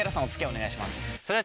お願いします。